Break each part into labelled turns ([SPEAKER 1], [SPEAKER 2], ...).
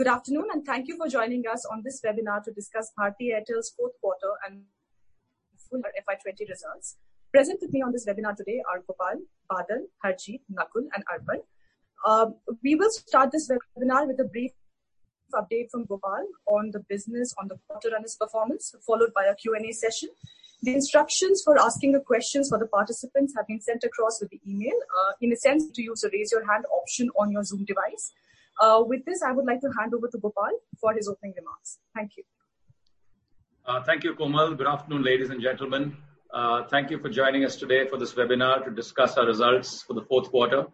[SPEAKER 1] Good afternoon, and thank you for joining us on this webinar to discuss Bharti Airtel's fourth quarter and FY2020 results. Present with me on this webinar today are Gopal, Badal, Harjeet, Nakul, and Arpan. We will start this webinar with a brief update from Gopal on the business, on the quarter and its performance, followed by a Q&A session. The instructions for asking the questions for the participants have been sent across with the email. In a sense, to use the raise your hand option on your Zoom device. With this, I would like to hand over to Gopal for his opening remarks. Thank you.
[SPEAKER 2] Thank you, Komal. Good afternoon, ladies and gentlemen. Thank you for joining us today for this webinar to discuss our results for the fourth quarter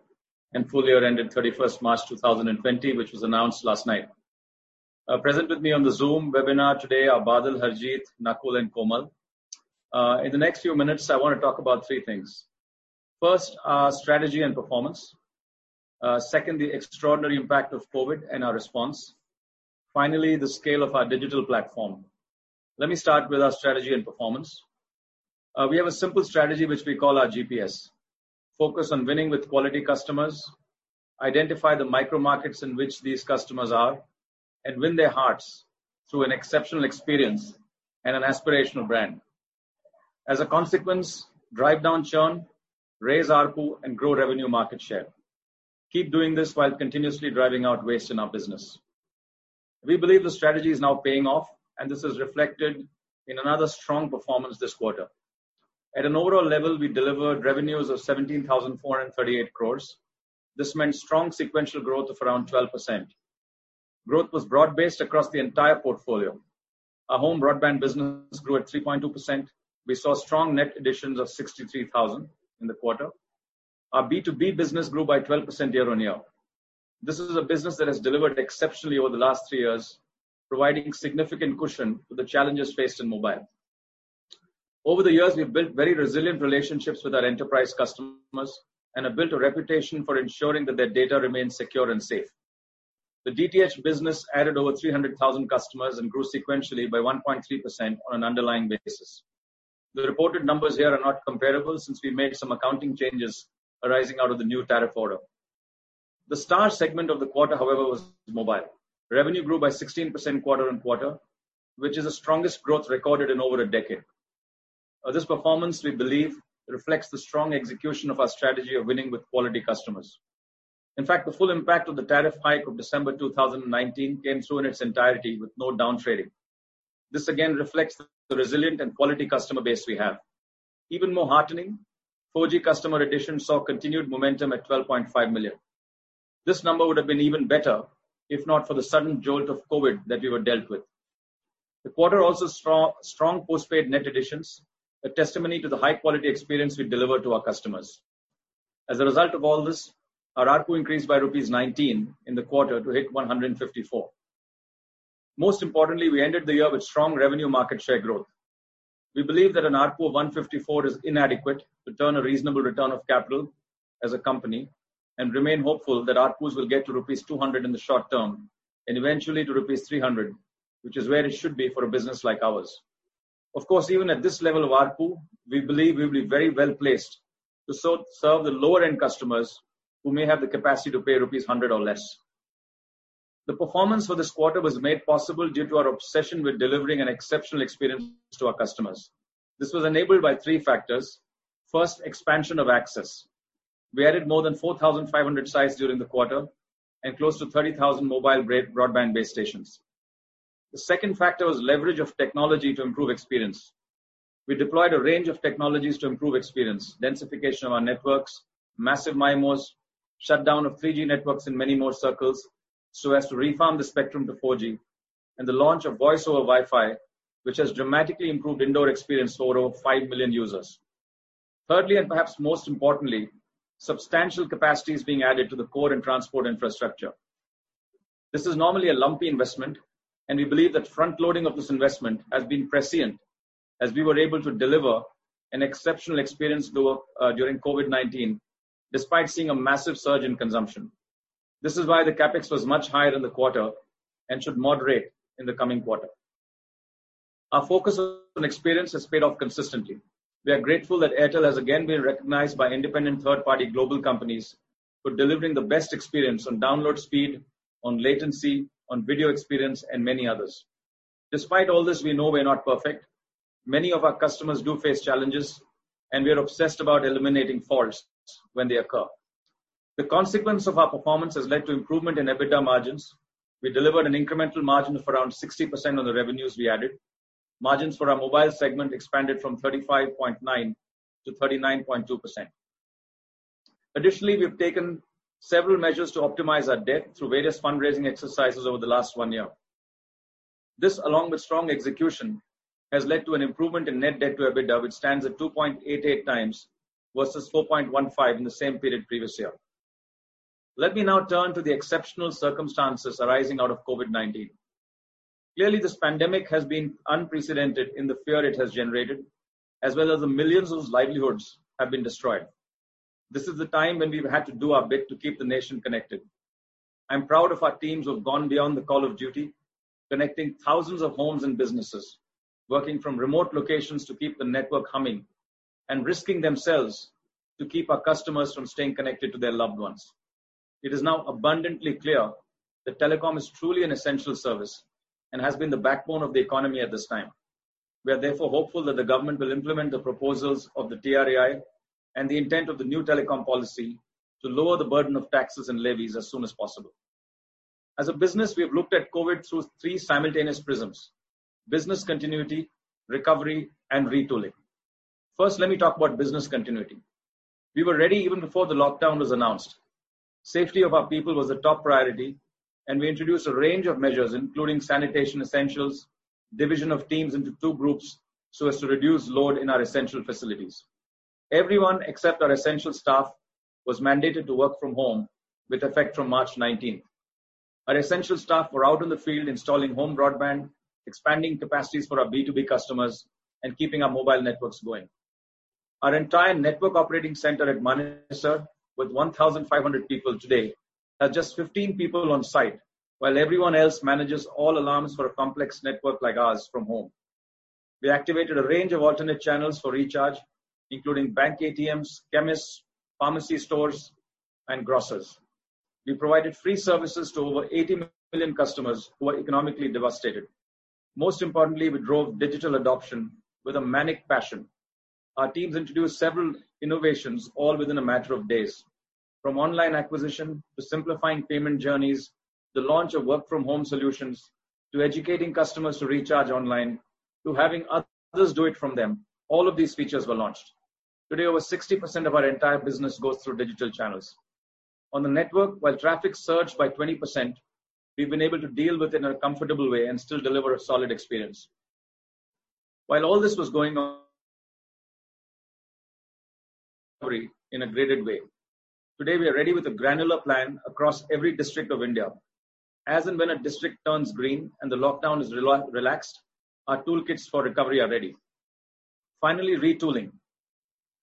[SPEAKER 2] and full year ended 31st March 2020, which was announced last night. Present with me on the Zoom webinar today are Badal, Harjeet, Nakul, and Komal. In the next few minutes, I want to talk about three things. First, our strategy and performance. Second, the extraordinary impact of COVID and our response. Finally, the scale of our digital platform. Let me start with our strategy and performance. We have a simple strategy, which we call our GPS: focus on winning with quality customers, identify the micro markets in which these customers are, and win their hearts through an exceptional experience and an aspirational brand. As a consequence, drive down churn, raise ARPU, and grow revenue market share. Keep doing this while continuously driving out waste in our business. We believe the strategy is now paying off, and this is reflected in another strong performance this quarter. At an overall level, we delivered revenues of 17,438 crore. This meant strong sequential growth of around 12%. Growth was broad-based across the entire portfolio. Our home broadband business grew at 3.2%. We saw strong net additions of 63,000 in the quarter. Our B2B business grew by 12% year on year. This is a business that has delivered exceptionally over the last three years, providing significant cushion for the challenges faced in mobile. Over the years, we've built very resilient relationships with our enterprise customers and have built a reputation for ensuring that their data remains secure and safe. The DTH business added over 300,000 customers and grew sequentially by 1.3% on an underlying basis. The reported numbers here are not comparable since we made some accounting changes arising out of the new tariff order. The star segment of the quarter, however, was mobile. Revenue grew by 16% quarter on quarter, which is the strongest growth recorded in over a decade. This performance, we believe, reflects the strong execution of our strategy of winning with quality customers. In fact, the full impact of the tariff hike of December 2019 came through in its entirety with no downtrading. This again reflects the resilient and quality customer base we have. Even more heartening, 4G customer additions saw continued momentum at 12.5 million. This number would have been even better if not for the sudden jolt of COVID that we were dealt with. The quarter also saw strong postpaid net additions, a testimony to the high-quality experience we deliver to our customers. As a result of all this, our ARPU increased by rupees 19 in the quarter to hit 154. Most importantly, we ended the year with strong revenue market share growth. We believe that an ARPU of 154 is inadequate to turn a reasonable return of capital as a company and remain hopeful that ARPUs will get to rupees 200 in the short term and eventually to rupees 300, which is where it should be for a business like ours. Of course, even at this level of ARPU, we believe we will be very well placed to serve the lower-end customers who may have the capacity to pay rupees 100 or less. The performance for this quarter was made possible due to our obsession with delivering an exceptional experience to our customers. This was enabled by three factors. First, expansion of access. We added more than 4,500 sites during the quarter and close to 30,000 mobile broadband-based stations. The second factor was leverage of technology to improve experience. We deployed a range of technologies to improve experience: densification of our networks, massive MIMOs, shutdown of 3G networks in many more circles so as to refarm the spectrum to 4G, and the launch of voice-over Wi-Fi, which has dramatically improved indoor experience for over 5 million users. Thirdly, and perhaps most importantly, substantial capacity is being added to the core and transport infrastructure. This is normally a lumpy investment, and we believe that front-loading of this investment has been prescient as we were able to deliver an exceptional experience during COVID-19 despite seeing a massive surge in consumption. This is why the CapEx was much higher in the quarter and should moderate in the coming quarter. Our focus on experience has paid off consistently. We are grateful that Airtel has again been recognized by independent third-party global companies for delivering the best experience on download speed, on latency, on video experience, and many others. Despite all this, we know we're not perfect. Many of our customers do face challenges, and we are obsessed about eliminating faults when they occur. The consequence of our performance has led to improvement in EBITDA margins. We delivered an incremental margin of around 60% on the revenues we added. Margins for our mobile segment expanded from 35.9%-39.2%. Additionally, we've taken several measures to optimize our debt through various fundraising exercises over the last one year. This, along with strong execution, has led to an improvement in net debt to EBITDA, which stands at 2.88 times versus 4.15 in the same period previous year. Let me now turn to the exceptional circumstances arising out of COVID-19. Clearly, this pandemic has been unprecedented in the fear it has generated, as well as the millions whose livelihoods have been destroyed. This is the time when we've had to do our bit to keep the nation connected. I'm proud of our teams who have gone beyond the call of duty, connecting thousands of homes and businesses, working from remote locations to keep the network humming, and risking themselves to keep our customers from staying connected to their loved ones. It is now abundantly clear that telecom is truly an essential service and has been the backbone of the economy at this time. We are therefore hopeful that the government will implement the proposals of the TRAI and the intent of the new telecom policy to lower the burden of taxes and levies as soon as possible. As a business, we have looked at COVID through three simultaneous prisms: business continuity, recovery, and retooling. First, let me talk about business continuity. We were ready even before the lockdown was announced. Safety of our people was a top priority, and we introduced a range of measures, including sanitation essentials, division of teams into two groups so as to reduce load in our essential facilities. Everyone, except our essential staff, was mandated to work from home with effect from March 19. Our essential staff were out in the field installing home broadband, expanding capacities for our B2B customers, and keeping our mobile networks going. Our entire network operating center at Manesar, with 1,500 people today, has just 15 people on site, while everyone else manages all alarms for a complex network like ours from home. We activated a range of alternate channels for recharge, including bank ATMs, chemists, pharmacy stores, and grocers. We provided free services to over 80 million customers who are economically devastated. Most importantly, we drove digital adoption with a manic passion. Our teams introduced several innovations, all within a matter of days, from online acquisition to simplifying payment journeys, the launch of work-from-home solutions, to educating customers to recharge online, to having others do it for them. All of these features were launched. Today, over 60% of our entire business goes through digital channels. On the network, while traffic surged by 20%, we have been able to deal with it in a comfortable way and still deliver a solid experience. While all this was going on, recovery in a graded way. Today, we are ready with a granular plan across every district of India. As and when a district turns green and the lockdown is relaxed, our toolkits for recovery are ready. Finally, retooling.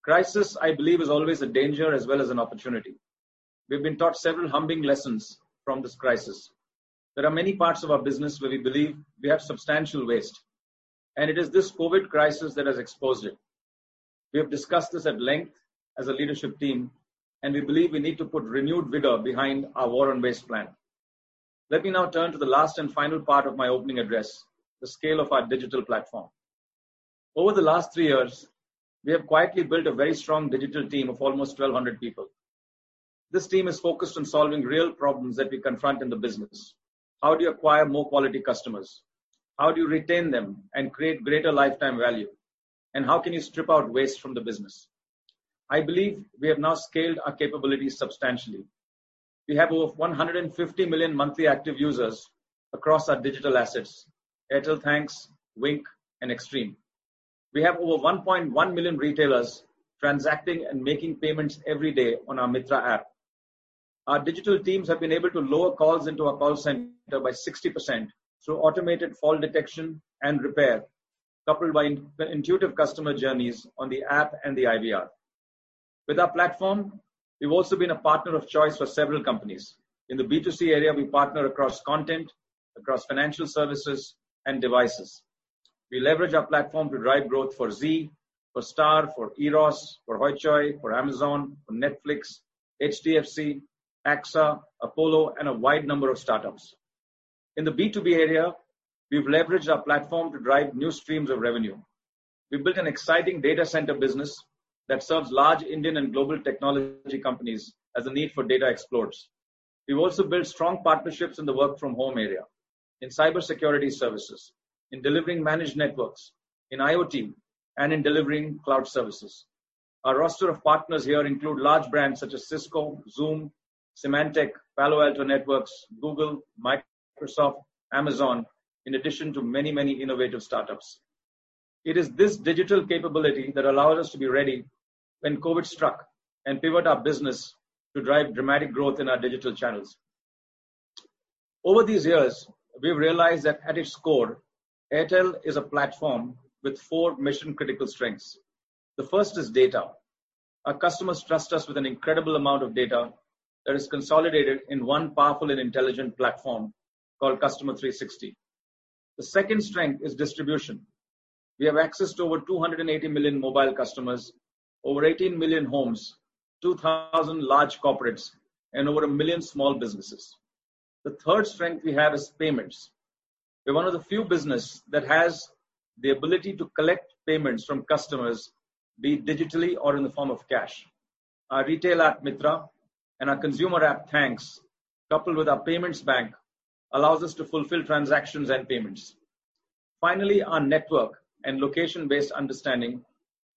[SPEAKER 2] Crisis, I believe, is always a danger as well as an opportunity. We've been taught several humbling lessons from this crisis. There are many parts of our business where we believe we have substantial waste, and it is this COVID crisis that has exposed it. We have discussed this at length as a leadership team, and we believe we need to put renewed vigor behind our war on waste plan. Let me now turn to the last and final part of my opening address: the scale of our digital platform. Over the last three years, we have quietly built a very strong digital team of almost 1,200 people. This team is focused on solving real problems that we confront in the business. How do you acquire more quality customers? How do you retain them and create greater lifetime value? How can you strip out waste from the business? I believe we have now scaled our capabilities substantially. We have over 150 million monthly active users across our digital assets: Airtel Thanks, Wynk, and Xstream. We have over 1.1 million retailers transacting and making payments every day on our Mitra App. Our digital teams have been able to lower calls into our call center by 60% through automated fault detection and repair, coupled by intuitive customer journeys on the app and the IVR. With our platform, we have also been a partner of choice for several companies. In the B2C area, we partner across content, across financial services, and devices. We leverage our platform to drive growth for ZEE, for Star, for Eros, for Hoichoi, for Amazon, for Netflix, HDFC, AXA, Apollo, and a wide number of startups. In the B2B area, we've leveraged our platform to drive new streams of revenue. We built an exciting data center business that serves large Indian and global technology companies as the need for data explodes. We've also built strong partnerships in the work-from-home area, in cybersecurity services, in delivering managed networks, in IoT, and in delivering cloud services. Our roster of partners here includes large brands such as Cisco, Zoom, Symantec, Palo Alto Networks, Google, Microsoft, Amazon, in addition to many, many innovative startups. It is this digital capability that allowed us to be ready when COVID struck and pivot our business to drive dramatic growth in our digital channels. Over these years, we've realized that at its core, Airtel is a platform with four mission-critical strengths. The first is data. Our customers trust us with an incredible amount of data that is consolidated in one powerful and intelligent platform called Customer 360. The second strength is distribution. We have access to over 280 million mobile customers, over 18 million homes, 2,000 large corporates, and over a million small businesses. The third strength we have is payments. We're one of the few businesses that has the ability to collect payments from customers, be it digitally or in the form of cash. Our retail app, Mitra, and our consumer app, Thanks, coupled with our payments bank, allow us to fulfill transactions and payments. Finally, our network and location-based understanding,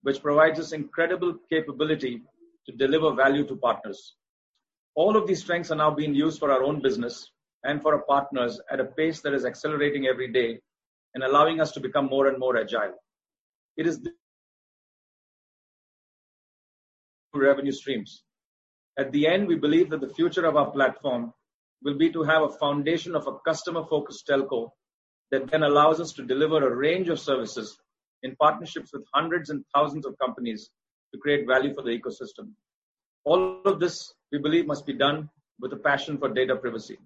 [SPEAKER 2] which provides us incredible capability to deliver value to partners. All of these strengths are now being used for our own business and for our partners at a pace that is accelerating every day and allowing us to become more and more agile. It is revenue streams. At the end, we believe that the future of our platform will be to have a foundation of a customer-focused telco that then allows us to deliver a range of services in partnerships with hundreds and thousands of companies to create value for the ecosystem. All of this, we believe, must be done with a passion for data privacy.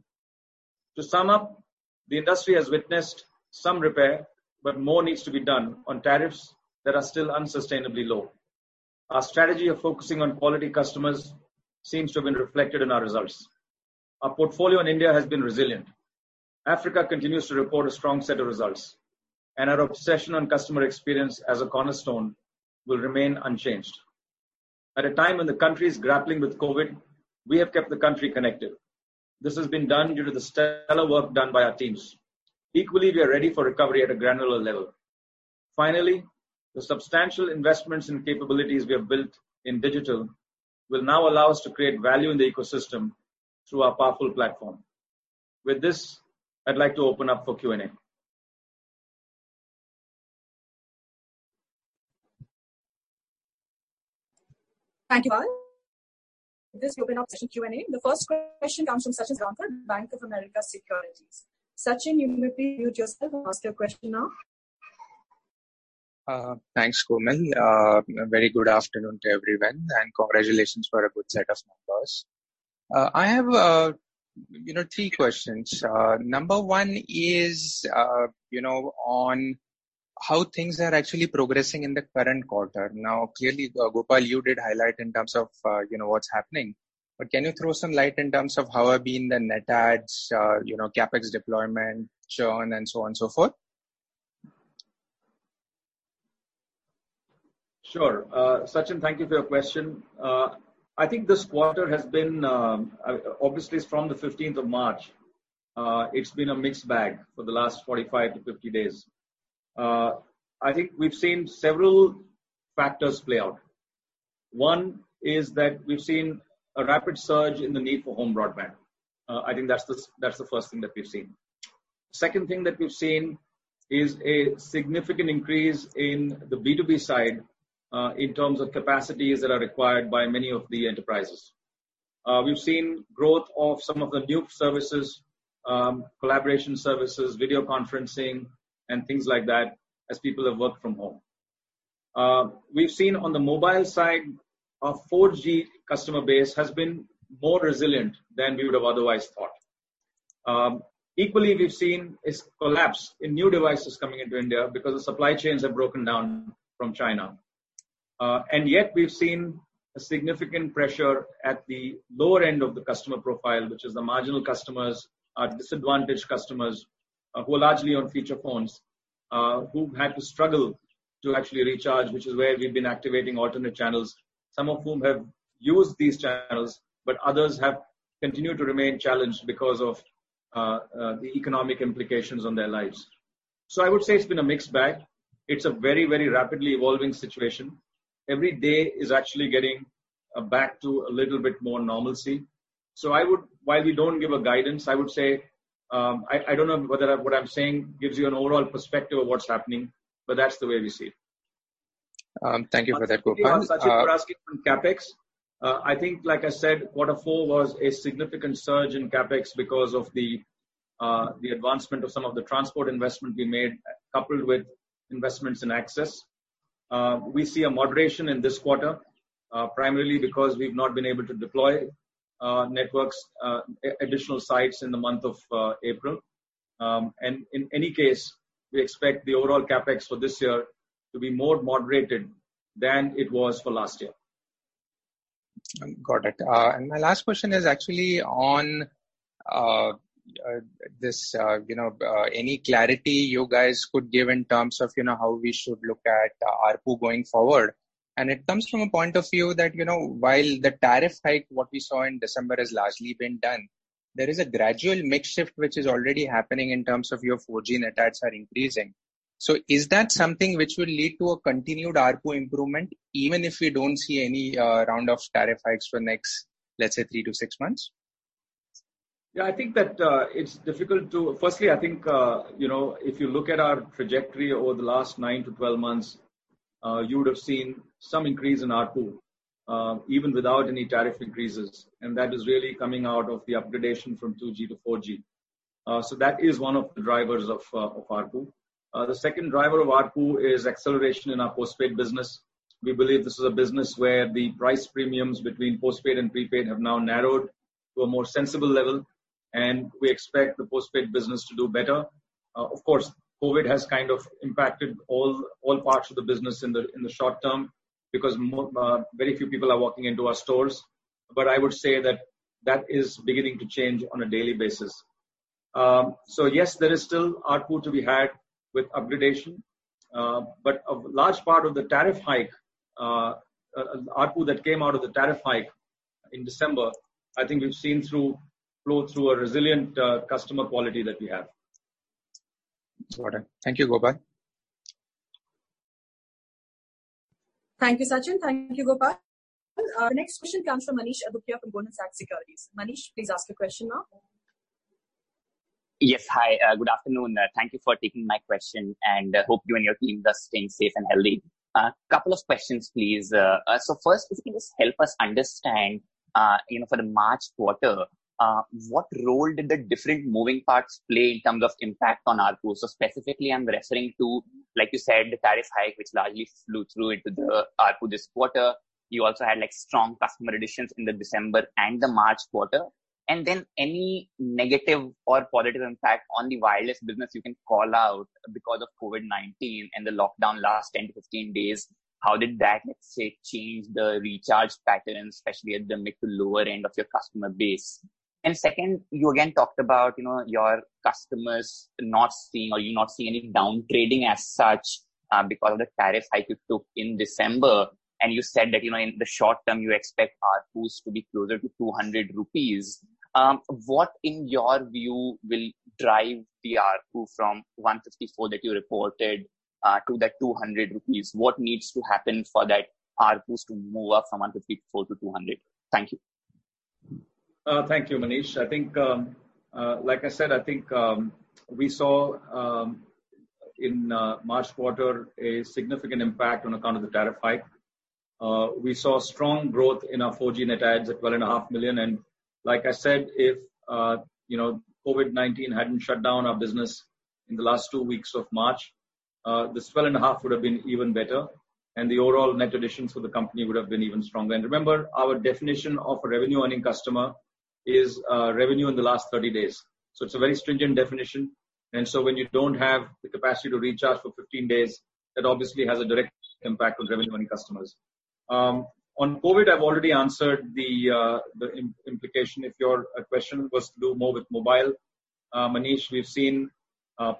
[SPEAKER 2] To sum up, the industry has witnessed some repair, but more needs to be done on tariffs that are still unsustainably low. Our strategy of focusing on quality customers seems to have been reflected in our results. Our portfolio in India has been resilient. Africa continues to report a strong set of results, and our obsession on customer experience as a cornerstone will remain unchanged. At a time when the country is grappling with COVID, we have kept the country connected. This has been done due to the stellar work done by our teams. Equally, we are ready for recovery at a granular level. Finally, the substantial investments and capabilities we have built in digital will now allow us to create value in the ecosystem through our powerful platform. With this, I'd like to open up for Q&A.
[SPEAKER 1] Thank you all. This is the open-op session Q&A. The first question comes from Sachin Salgaonkar from Bank of America Securities. Sachin, you may unmute yourself and ask your question now.
[SPEAKER 3] Thanks, Komal. Very good afternoon to everyone, and congratulations for a good set of numbers. I have three questions. Number one is on how things are actually progressing in the current quarter. Now, clearly, Gopal, you did highlight in terms of what's happening. Can you throw some light in terms of how have been the Net Additions, CapEx deployment, churn, and so on and so forth?
[SPEAKER 2] Sure. Sachin, thank you for your question. I think this quarter has been, obviously, from the 15th of March, it's been a mixed bag for the last 45 to 50 days. I think we've seen several factors play out. One is that we've seen a rapid surge in the need for home broadband. I think that's the first thing that we've seen. The second thing that we've seen is a significant increase in the B2B side in terms of capacities that are required by many of the enterprises. We've seen growth of some of the new services, collaboration services, video conferencing, and things like that as people have worked from home. We've seen on the mobile side, our 4G customer base has been more resilient than we would have otherwise thought. Equally, we've seen a collapse in new devices coming into India because the supply chains have broken down from China. Yet, we've seen significant pressure at the lower end of the customer profile, which is the marginal customers, our disadvantaged customers who are largely on feature phones, who had to struggle to actually recharge, which is where we've been activating alternate channels, some of whom have used these channels, but others have continued to remain challenged because of the economic implications on their lives. I would say it's been a mixed bag. It's a very, very rapidly evolving situation. Every day is actually getting back to a little bit more normalcy. While we don't give guidance, I would say I don't know whether what I'm saying gives you an overall perspective of what's happening, but that's the way we see it.
[SPEAKER 3] Thank you for that, Gopal.
[SPEAKER 2] Sachin, you were asking on CapEx. I think, like I said, quarter four was a significant surge in CapEx because of the advancement of some of the transport investment we made, coupled with investments in access. We see a moderation in this quarter, primarily because we've not been able to deploy networks, additional sites in the month of April. In any case, we expect the overall CapEx for this year to be more moderated than it was for last year.
[SPEAKER 3] Got it. My last question is actually on any clarity you guys could give in terms of how we should look at ARPU going forward. It comes from a point of view that while the tariff hike, what we saw in December, has largely been done, there is a gradual mix shift which is already happening in terms of your 4G net adds are increasing. Is that something which will lead to a continued ARPU improvement, even if we do not see any round of tariff hikes for the next, let's say, three to six months?
[SPEAKER 2] Yeah, I think that it's difficult to. Firstly, I think if you look at our trajectory over the last 9 to 12 months, you would have seen some increase in ARPU, even without any tariff increases. That is really coming out of the upgradation from 2G to 4G. That is one of the drivers of ARPU. The second driver of ARPU is acceleration in our postpaid business. We believe this is a business where the price premiums between postpaid and prepaid have now narrowed to a more sensible level, and we expect the postpaid business to do better. Of course, COVID has kind of impacted all parts of the business in the short term because very few people are walking into our stores. I would say that that is beginning to change on a daily basis. Yes, there is still ARPU to be had with upgradation, but a large part of the tariff hike, ARPU that came out of the tariff hike in December, I think we've seen flow through a resilient customer quality that we have.
[SPEAKER 3] Got it. Thank you, Gopal.
[SPEAKER 1] Thank you, Sachin. Thank you, Gopal. The next question comes from Manish Adnani, ICICI Securities. Manish, please ask your question now.
[SPEAKER 4] Yes, hi. Good afternoon. Thank you for taking my question, and I hope you and your team are staying safe and healthy. A couple of questions, please. First, if you can just help us understand, for the March quarter, what role did the different moving parts play in terms of impact on ARPU? Specifically, I'm referring to, like you said, the tariff hike, which largely flew through into the ARPU this quarter. You also had strong customer additions in the December and the March quarter. Any negative or positive impact on the wireless business you can call out because of COVID-19 and the lockdown last 10-15 days? How did that, let's say, change the recharge pattern, especially at the mid to lower end of your customer base? You again talked about your customers not seeing, or you're not seeing any downtrading as such because of the tariff hike you took in December. You said that in the short term, you expect ARPUs to be closer to 200 rupees. What, in your view, will drive the ARPU from 154 that you reported to that 200 rupees? What needs to happen for that ARPUs to move up from 154 to 200? Thank you.
[SPEAKER 2] Thank you, Manish. I think, like I said, I think we saw in March quarter a significant impact on account of the tariff hike. We saw strong growth in our 4G net adds at 1.5 million. Like I said, if COVID-19 had not shut down our business in the last two weeks of March, this INR 1.5 million would have been even better, and the overall net additions for the company would have been even stronger. Remember, our definition of a revenue-earning customer is revenue in the last 30 days. It is a very stringent definition. When you do not have the capacity to recharge for 15 days, that obviously has a direct impact on revenue-earning customers. On COVID, I have already answered the implication. If your question was to do more with mobile, Manish, we have seen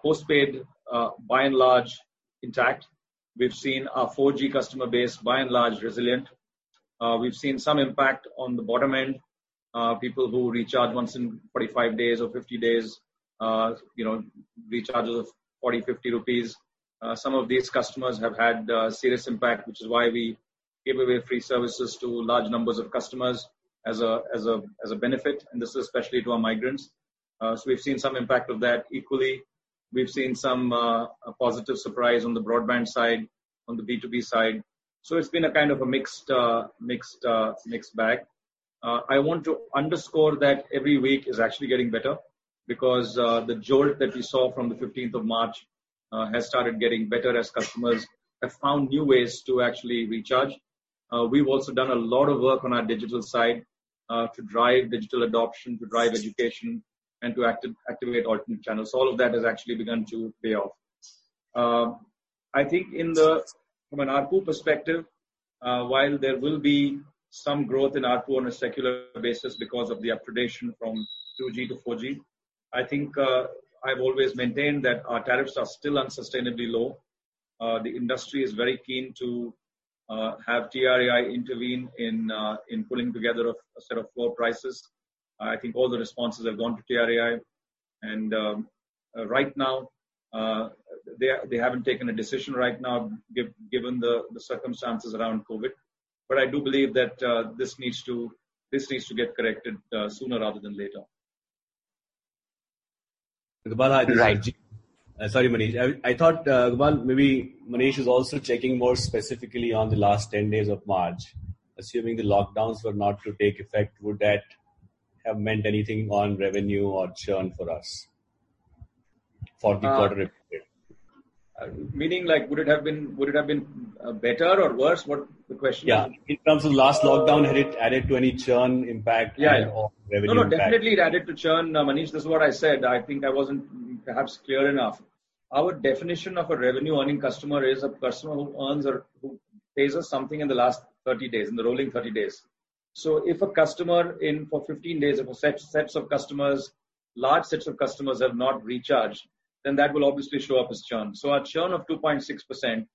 [SPEAKER 2] postpaid by and large intact. We have seen our 4G customer base by and large resilient. We've seen some impact on the bottom end, people who recharge once in 45 days or 50 days, recharges of 40, 50 rupees. Some of these customers have had serious impact, which is why we gave away free services to large numbers of customers as a benefit, and this is especially to our migrants. We've seen some impact of that. Equally, we've seen some positive surprise on the broadband side, on the B2B side. It's been a kind of a mixed bag. I want to underscore that every week is actually getting better because the jolt that we saw from the 15th of March has started getting better as customers have found new ways to actually recharge. We've also done a lot of work on our digital side to drive digital adoption, to drive education, and to activate alternate channels. All of that has actually begun to pay off. I think from an ARPU perspective, while there will be some growth in ARPU on a secular basis because of the upgradation from 2G to 4G, I think I've always maintained that our tariffs are still unsustainably low. The industry is very keen to have TRAI intervene in pulling together a set of floor prices. I think all the responses have gone to TRAI. Right now, they haven't taken a decision right now, given the circumstances around COVID. I do believe that this needs to get corrected sooner rather than later.
[SPEAKER 5] Gopal, I think.
[SPEAKER 2] Right.
[SPEAKER 5] Sorry, Manish. I thought, Gopal, maybe Manish is also checking more specifically on the last 10 days of March. Assuming the lockdowns were not to take effect, would that have meant anything on revenue or churn for us for the quarter?
[SPEAKER 2] Meaning, would it have been better or worse? What the question is?
[SPEAKER 5] Yeah. In terms of last lockdown, had it added to any churn impact on revenue?
[SPEAKER 2] No, no. Definitely, it added to churn. Manish, this is what I said. I think I wasn't perhaps clear enough. Our definition of a revenue-earning customer is a customer who pays us something in the last 30 days, in the rolling 30 days. If a customer in for 15 days, if a set of customers, large sets of customers have not recharged, then that will obviously show up as churn. Our churn of 2.6%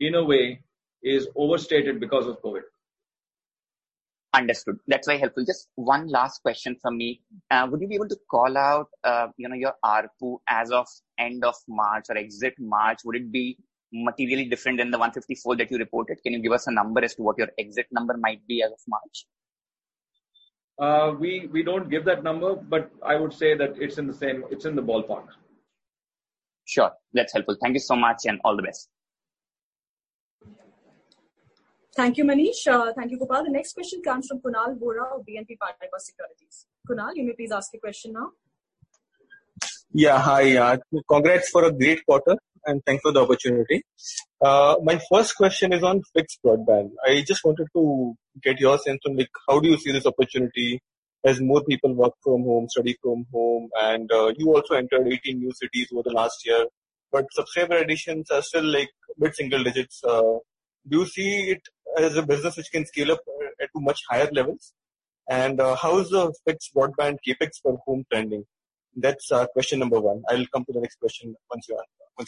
[SPEAKER 2] in a way is overstated because of COVID.
[SPEAKER 4] Understood. That's very helpful. Just one last question from me. Would you be able to call out your ARPU as of end of March or exit March? Would it be materially different than the 154 that you reported? Can you give us a number as to what your exit number might be as of March?
[SPEAKER 2] We don't give that number, but I would say that it's in the ballpark.
[SPEAKER 4] Sure. That's helpful. Thank you so much and all the best.
[SPEAKER 1] Thank you, Manish. Thank you, Gopal. The next question comes from Kunal Vora of BNP Paribas Securities. Kunal, you may please ask your question now.
[SPEAKER 6] Yeah, hi. Congrats for a great quarter, and thanks for the opportunity. My first question is on fixed broadband. I just wanted to get your sense on how do you see this opportunity as more people work from home, study from home. You also entered 18 new cities over the last year. Subscriber additions are still mid-single digits. Do you see it as a business which can scale up to much higher levels? How is the fixed broadband CapEx for home trending? That is question number one. I will come to the next question once you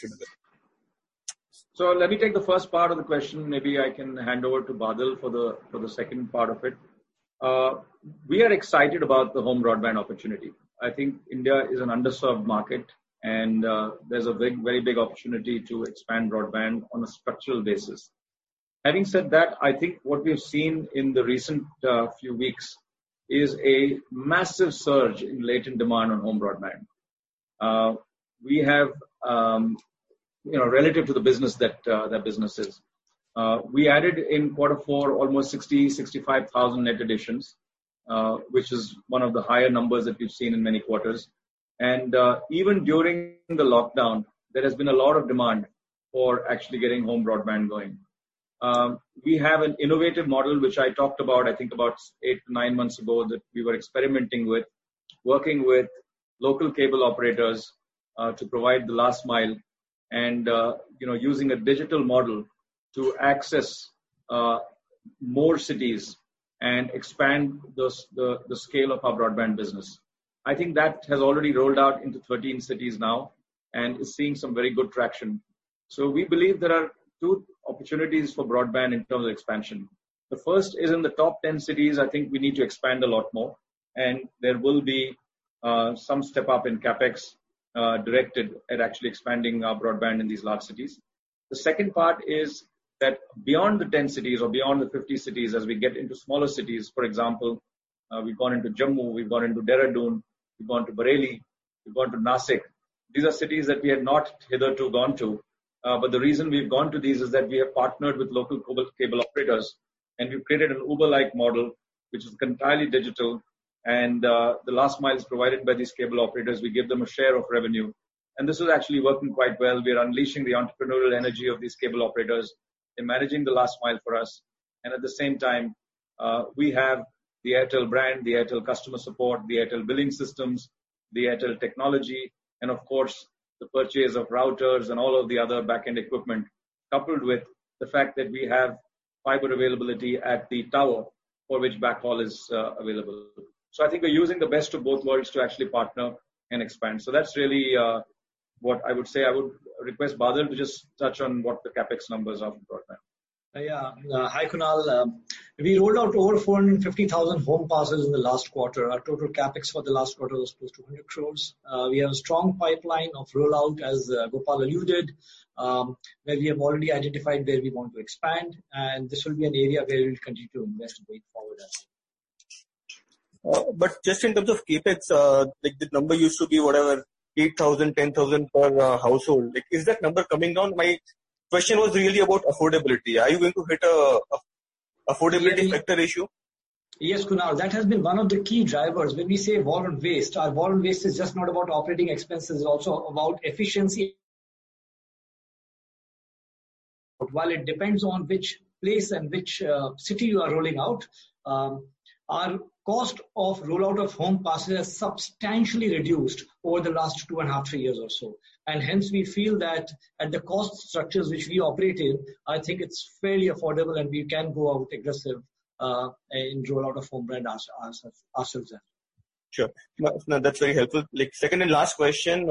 [SPEAKER 6] do that.
[SPEAKER 2] Let me take the first part of the question. Maybe I can hand over to Badal for the second part of it. We are excited about the home broadband opportunity. I think India is an underserved market, and there is a very big opportunity to expand broadband on a structural basis. Having said that, I think what we have seen in the recent few weeks is a massive surge in latent demand on home broadband. Relative to the business that business is, we added in quarter four almost 60,000-65,000 net additions, which is one of the higher numbers that we have seen in many quarters. Even during the lockdown, there has been a lot of demand for actually getting home broadband going. We have an innovative model, which I talked about, I think, about eight to nine months ago that we were experimenting with, working with local cable operators to provide the last mile and using a digital model to access more cities and expand the scale of our broadband business. I think that has already rolled out into 13 cities now and is seeing some very good traction. We believe there are two opportunities for broadband in terms of expansion. The first is in the top 10 cities, I think we need to expand a lot more, and there will be some step-up in CapEx directed at actually expanding our broadband in these large cities. The second part is that beyond the 10 cities or beyond the 50 cities, as we get into smaller cities, for example, we've gone into Jammu, we've gone into Dehradun, we've gone to Bareilly, we've gone to Nashik. These are cities that we had not hitherto gone to. The reason we've gone to these is that we have partnered with local cable operators, and we've created an Uber-like model which is entirely digital. The last mile is provided by these cable operators. We give them a share of revenue. This is actually working quite well. We are unleashing the entrepreneurial energy of these cable operators in managing the last mile for us. At the same time, we have the Airtel brand, the Airtel customer support, the Airtel billing systems, the Airtel technology, and of course, the purchase of routers and all of the other back-end equipment, coupled with the fact that we have fiber availability at the tower for which backhaul is available. I think we are using the best of both worlds to actually partner and expand. That is really what I would say. I would request Badal to just touch on what the CapEx numbers are for broadband.
[SPEAKER 7] Yeah. Hi, Kunal. We rolled out over 450,000 home passes in the last quarter. Our total CapEx for the last quarter was close to 100 crore. We have a strong pipeline of rollout, as Gopal alluded, where we have already identified where we want to expand. This will be an area where we will continue to invest going forward.
[SPEAKER 6] Just in terms of CapEx, the number used to be whatever, 8,000-10,000 per household. Is that number coming down? My question was really about affordability. Are you going to hit an affordability factor issue?
[SPEAKER 2] Yes, Kunal. That has been one of the key drivers. When we say wall and waste, our wall and waste is just not about operating expenses. It is also about efficiency. While it depends on which place and which city you are rolling out, our cost of rollout of home passes has substantially reduced over the last two and a half, three years or so. Hence, we feel that at the cost structures which we operate in, I think it is fairly affordable, and we can go out aggressive and roll out of home brand ourselves there.
[SPEAKER 6] Sure. That's very helpful. Second and last question,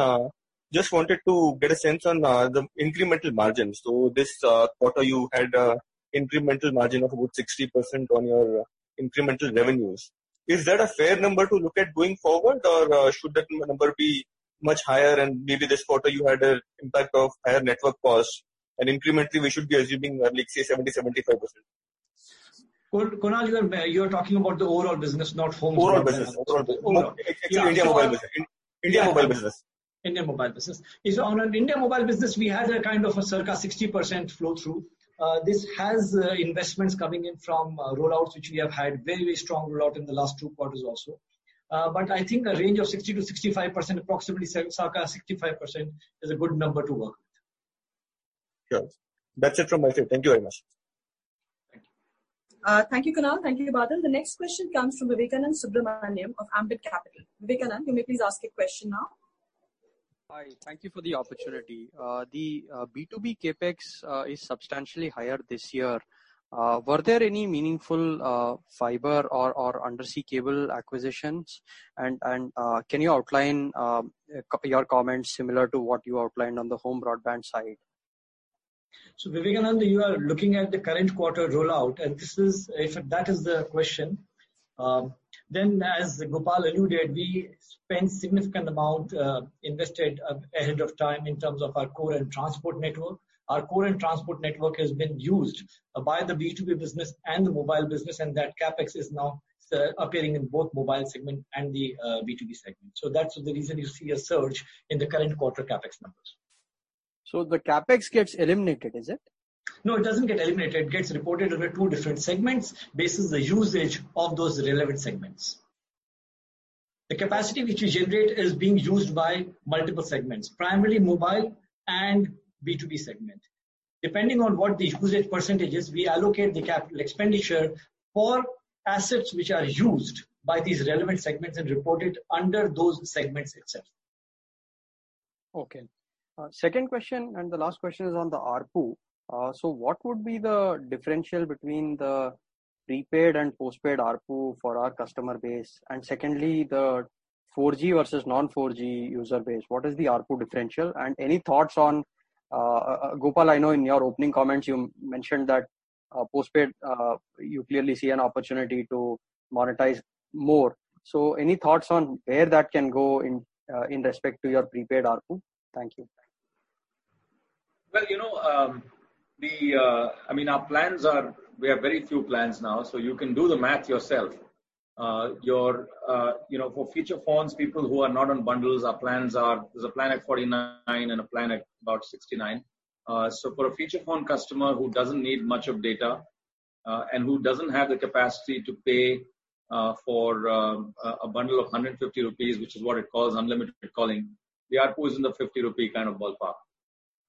[SPEAKER 6] just wanted to get a sense on the incremental margin. This quarter, you had an incremental margin of about 60% on your incremental revenues. Is that a fair number to look at going forward, or should that number be much higher? Maybe this quarter, you had an impact of higher network costs, and incrementally, we should be assuming 70-75%?
[SPEAKER 2] Kunal, you are talking about the overall business, not home business.
[SPEAKER 6] Overall business.
[SPEAKER 2] Overall business.
[SPEAKER 7] Overall business.
[SPEAKER 4] India.
[SPEAKER 7] India mobile business. India mobile business. On an India mobile business, we had a kind of a circa 60% flow-through. This has investments coming in from rollouts, which we have had very, very strong rollout in the last two quarters also. I think a range of 60-65%, approximately circa 65%, is a good number to work with.
[SPEAKER 6] Sure. That's it from my side. Thank you very much.
[SPEAKER 2] Thank you.
[SPEAKER 1] Thank you, Kunal. Thank you, Badal. The next question comes from Vivekanand Subramanian of Ambit Capital. Vivekanand, you may please ask your question now.
[SPEAKER 8] Hi. Thank you for the opportunity. The B2B CapEx is substantially higher this year. Were there any meaningful fiber or undersea cable acquisitions? Can you outline your comments similar to what you outlined on the home broadband side?
[SPEAKER 7] Vivekanand, you are looking at the current quarter rollout, and that is the question. As Gopal alluded, we spent a significant amount invested ahead of time in terms of our core and transport network. Our core and transport network has been used by the B2B business and the mobile business, and that CapEx is now appearing in both mobile segment and the B2B segment. That is the reason you see a surge in the current quarter CapEx numbers.
[SPEAKER 8] The CapEx gets eliminated, is it?
[SPEAKER 7] No, it doesn't get eliminated. It gets reported under two different segments based on the usage of those relevant segments. The capacity which we generate is being used by multiple segments, primarily mobile and B2B segment. Depending on what the usage percentage is, we allocate the CapEx for assets which are used by these relevant segments and reported under those segments, etc.
[SPEAKER 8] Okay. Second question, and the last question is on the ARPU. What would be the differential between the prepaid and postpaid ARPU for our customer base? Secondly, the 4G versus non-4G user base, what is the ARPU differential? Any thoughts on Gopal? I know in your opening comments, you mentioned that postpaid, you clearly see an opportunity to monetize more. Any thoughts on where that can go in respect to your prepaid ARPU? Thank you.
[SPEAKER 2] You know, I mean, our plans are we have very few plans now, so you can do the math yourself. For feature phones, people who are not on bundles, our plans are there's a plan at 49 and a plan at about 69. For a feature phone customer who does not need much of data and who does not have the capacity to pay for a bundle of 150 rupees, which is what it calls unlimited calling, the ARPU is in the 50 rupee kind of ballpark.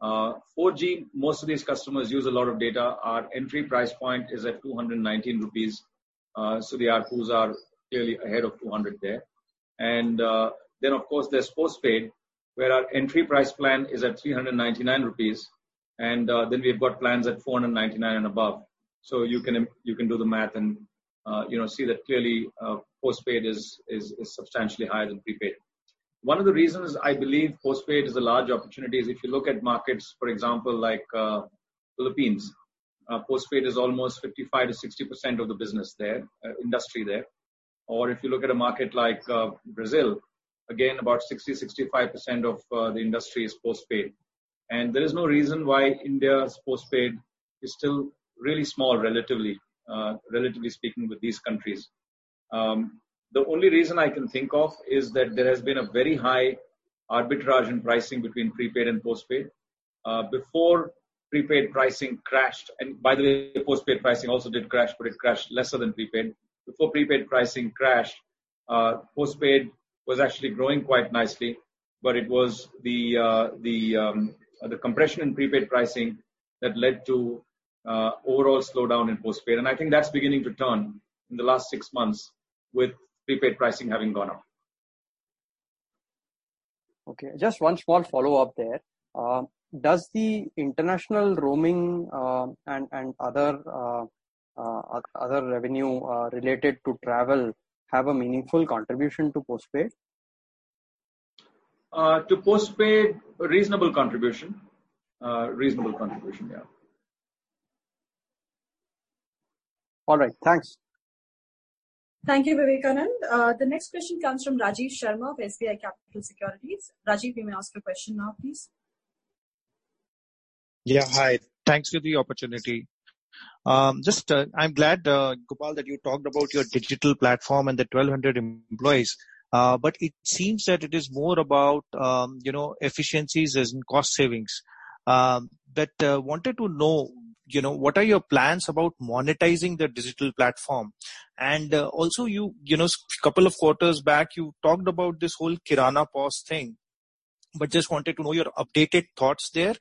[SPEAKER 2] 4G, most of these customers use a lot of data. Our entry price point is at 219 rupees, so the ARPUs are clearly ahead of 200 there. Of course, there is postpaid, where our entry price plan is at 399 rupees, and then we have plans at 499 and above. You can do the math and see that clearly postpaid is substantially higher than prepaid. One of the reasons I believe postpaid is a large opportunity is if you look at markets, for example, like the Philippines, postpaid is almost 55-60% of the business there, industry there. Or if you look at a market like Brazil, again, about 60-65% of the industry is postpaid. There is no reason why India's postpaid is still really small, relatively speaking, with these countries. The only reason I can think of is that there has been a very high arbitrage in pricing between prepaid and postpaid. Before prepaid pricing crashed and by the way, postpaid pricing also did crash, but it crashed lesser than prepaid. Before prepaid pricing crashed, postpaid was actually growing quite nicely, but it was the compression in prepaid pricing that led to overall slowdown in postpaid. I think that's beginning to turn in the last six months with prepaid pricing having gone up.
[SPEAKER 8] Okay. Just one small follow-up there. Does the international roaming and other revenue related to travel have a meaningful contribution to postpaid?
[SPEAKER 2] To postpaid, reasonable contribution. Reasonable contribution, yeah.
[SPEAKER 8] All right. Thanks.
[SPEAKER 1] Thank you, Vivekanand. The next question comes from Rajiv Sharma of SBI Capital Securities. Rajiv, you may ask your question now, please.
[SPEAKER 9] Yeah, hi. Thanks for the opportunity. I'm glad, Gopal, that you talked about your digital platform and the 1,200 employees. It seems that it is more about efficiencies and cost savings. I wanted to know, what are your plans about monetizing the digital platform? Also, a couple of quarters back, you talked about this whole Kirana POS thing. I just wanted to know your updated thoughts there.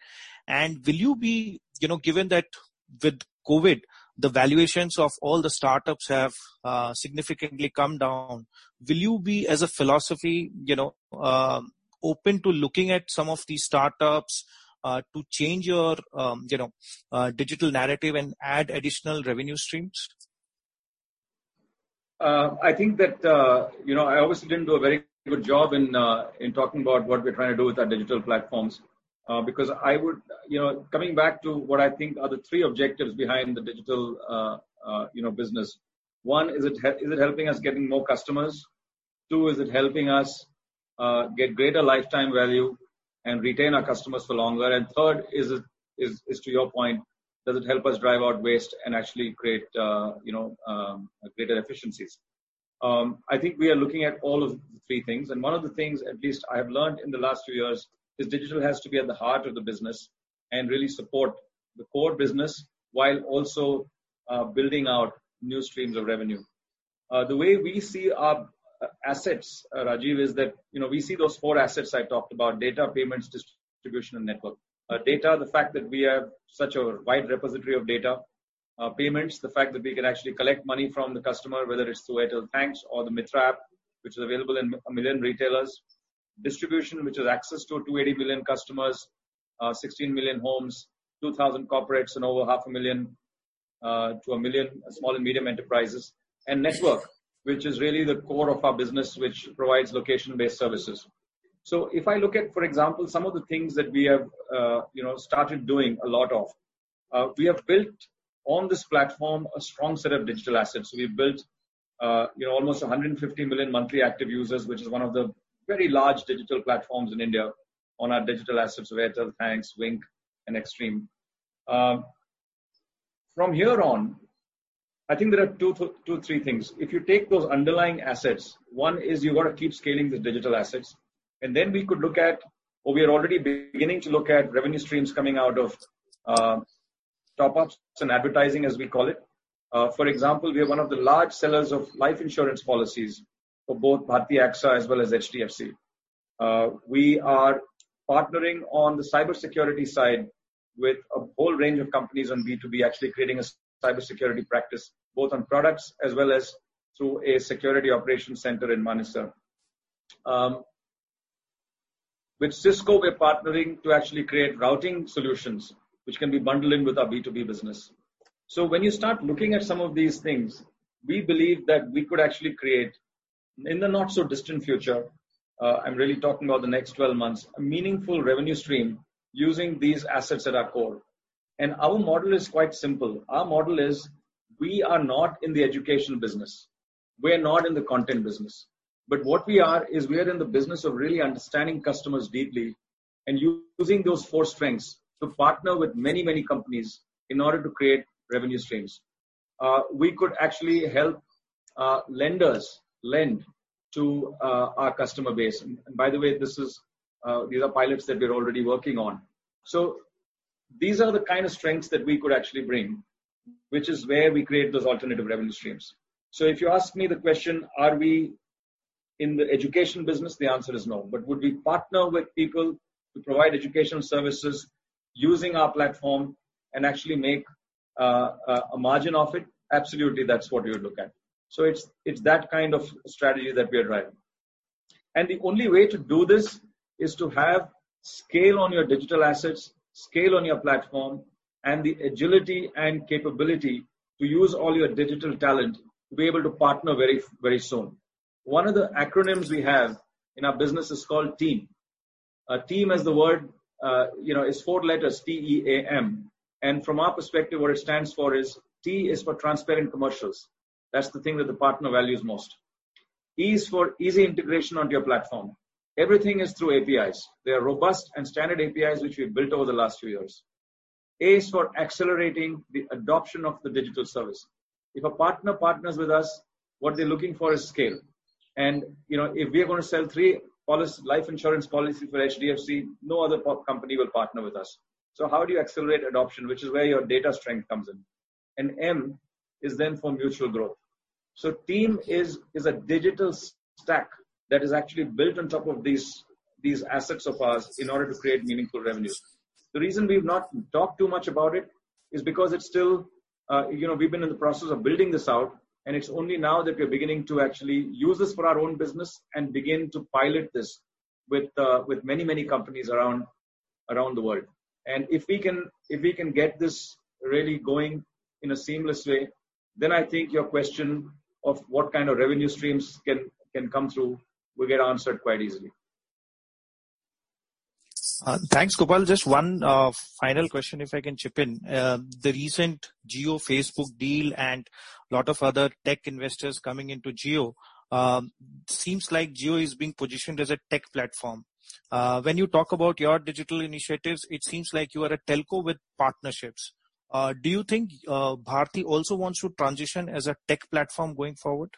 [SPEAKER 9] Given that with COVID, the valuations of all the startups have significantly come down, will you be, as a philosophy, open to looking at some of these startups to change your digital narrative and add additional revenue streams?
[SPEAKER 2] I think that I obviously didn't do a very good job in talking about what we're trying to do with our digital platforms because I would come back to what I think are the three objectives behind the digital business. One, is it helping us get more customers? Two, is it helping us get greater lifetime value and retain our customers for longer? And third, is it, to your point, does it help us drive out waste and actually create greater efficiencies? I think we are looking at all of the three things. One of the things, at least I have learned in the last few years, is digital has to be at the heart of the business and really support the core business while also building out new streams of revenue. The way we see our assets, Rajiv, is that we see those four assets I talked about: data, payments, distribution, and network. Data, the fact that we have such a wide repository of data. Payments, the fact that we can actually collect money from the customer, whether it's through Airtel Thanks or the Mitra app, which is available in a million retailers. Distribution, which is access to 280 million customers, 16 million homes, 2,000 corporates and over half a million to a million small and medium enterprises. Network, which is really the core of our business, which provides location-based services. If I look at, for example, some of the things that we have started doing a lot of, we have built on this platform a strong set of digital assets. We've built almost 150 million monthly active users, which is one of the very large digital platforms in India on our digital assets: Airtel Thanks, Wynk, and Xstream. From here on, I think there are two or three things. If you take those underlying assets, one is you've got to keep scaling the digital assets. We could look at, or we are already beginning to look at, revenue streams coming out of top-ups and advertising, as we call it. For example, we are one of the large sellers of life insurance policies for both Bharti AXA as well as HDFC. We are partnering on the cybersecurity side with a whole range of companies on B2B, actually creating a cybersecurity practice both on products as well as through a security operations center in Manesar. With Cisco, we're partnering to actually create routing solutions, which can be bundled in with our B2B business. When you start looking at some of these things, we believe that we could actually create, in the not-so-distant future, I'm really talking about the next 12 months, a meaningful revenue stream using these assets at our core. Our model is quite simple. Our model is we are not in the education business. We're not in the content business. What we are is we are in the business of really understanding customers deeply and using those four strengths to partner with many, many companies in order to create revenue streams. We could actually help lenders lend to our customer base. By the way, these are pilots that we're already working on. These are the kind of strengths that we could actually bring, which is where we create those alternative revenue streams. If you ask me the question, are we in the education business, the answer is no. Would we partner with people to provide educational services using our platform and actually make a margin off it? Absolutely, that's what we would look at. It is that kind of strategy that we are driving. The only way to do this is to have scale on your digital assets, scale on your platform, and the agility and capability to use all your digital talent to be able to partner very, very soon. One of the acronyms we have in our business is called TEAM. TEAM, as the word is four letters, T-E-A-M. From our perspective, what it stands for is T is for Transparent Commercials. That's the thing that the partner values most. E is for Easy Integration onto your platform. Everything is through APIs. They are robust and standard APIs, which we've built over the last few years. A is for Accelerating the Adoption of the Digital Service. If a partner partners with us, what they're looking for is scale. If we are going to sell three life insurance policies for HDFC, no other company will partner with us. How do you accelerate adoption, which is where your data strength comes in? M is then for Mutual Growth. TEAM is a digital stack that is actually built on top of these assets of ours in order to create meaningful revenue. The reason we've not talked too much about it is because we've been in the process of building this out, and it's only now that we're beginning to actually use this for our own business and begin to pilot this with many, many companies around the world. If we can get this really going in a seamless way, then I think your question of what kind of revenue streams can come through will get answered quite easily.
[SPEAKER 9] Thanks, Gopal. Just one final question, if I can chip in. The recent Jio Facebook deal and a lot of other tech investors coming into Jio, it seems like Jio is being positioned as a tech platform. When you talk about your digital initiatives, it seems like you are a telco with partnerships. Do you think Bharti also wants to transition as a tech platform going forward?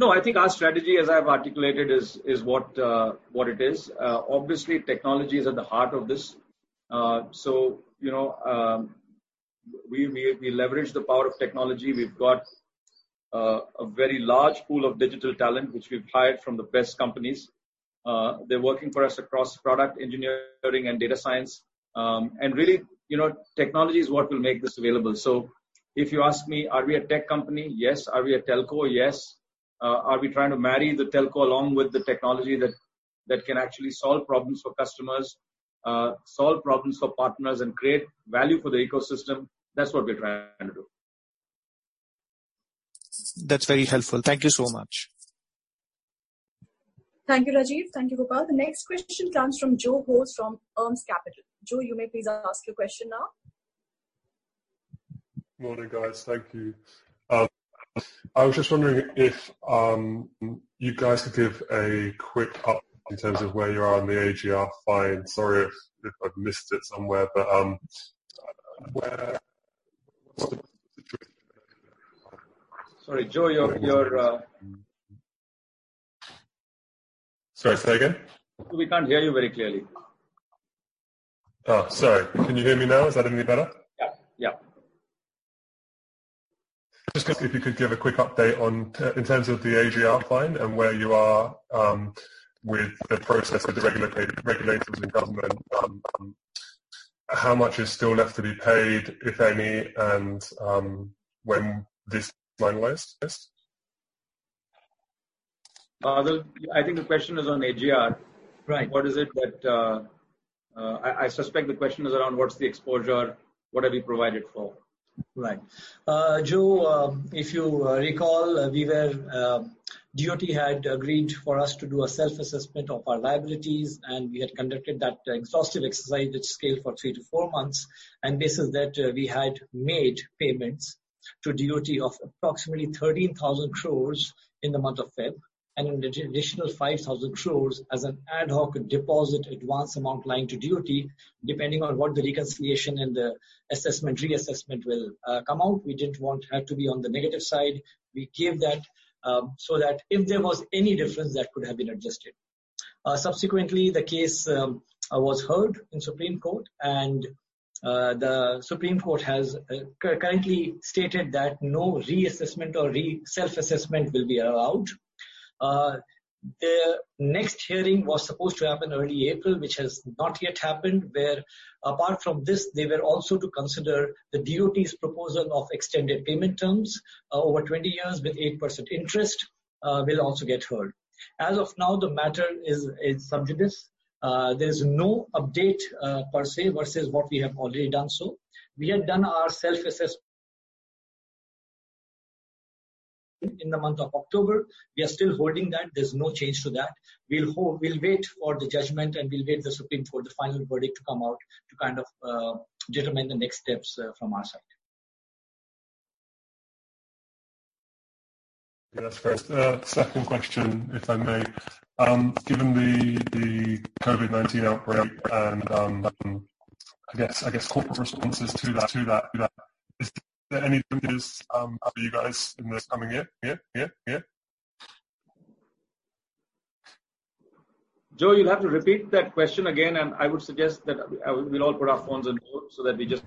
[SPEAKER 2] No, I think our strategy, as I've articulated, is what it is. Obviously, technology is at the heart of this. We leverage the power of technology. We've got a very large pool of digital talent, which we've hired from the best companies. They're working for us across product engineering and data science. Really, technology is what will make this available. If you ask me, are we a tech company? Yes. Are we a telco? Yes. Are we trying to marry the telco along with the technology that can actually solve problems for customers, solve problems for partners, and create value for the ecosystem? That's what we're trying to do.
[SPEAKER 9] That's very helpful. Thank you so much.
[SPEAKER 1] Thank you, Rajiv. Thank you, Gopal. The next question comes from John Hayes from Delete. John, you may please ask your question now.
[SPEAKER 10] Morning, guys. Thank you. I was just wondering if you guys could give a quick update in terms of where you are on the AGR fine. Sorry if I've missed it somewhere, but what's the situation?
[SPEAKER 2] Sorry, John, you're.
[SPEAKER 10] Sorry, say again?
[SPEAKER 2] We can't hear you very clearly.
[SPEAKER 10] Oh, sorry. Can you hear me now? Is that any better?
[SPEAKER 2] Yeah, yeah.
[SPEAKER 10] Just if you could give a quick update in terms of the AGR fine and where you are with the process with the regulators and government, how much is still left to be paid, if any, and when this finalize?
[SPEAKER 7] I think the question is on AGR. What is it that I suspect the question is around what's the exposure? What have you provided for?
[SPEAKER 11] Right. John, if you recall, DOT had agreed for us to do a self-assessment of our liabilities, and we had conducted that exhaustive exercise, which scaled for three to four months. Basis that, we had made payments to DOT of approximately 13,000 crore in the month of February and an additional 5,000 crore as an ad hoc deposit advance amount lying to DOT, depending on what the reconciliation and the assessment reassessment will come out. We did not want to have to be on the negative side. We gave that so that if there was any difference, that could have been adjusted. Subsequently, the case was heard in Supreme Court, and the Supreme Court has currently stated that no reassessment or self-assessment will be allowed. The next hearing was supposed to happen early April, which has not yet happened, where, apart from this, they were also to consider the DOT's proposal of extended payment terms over 20 years with 8% interest will also get heard. As of now, the matter is sub judice. There is no update per se versus what we have already done so. We had done our self-assessment in the month of October. We are still holding that. There's no change to that. We'll wait for the judgment, and we'll wait for the Supreme Court, the final verdict, to come out to kind of determine the next steps from our side.
[SPEAKER 10] Just a second question, if I may. Given the COVID-19 outbreak and, I guess, corporate responses to that, is there any changes for you guys in the coming year?
[SPEAKER 11] John, you'll have to repeat that question again, and I would suggest that we'll all put our phones on hold so that we just.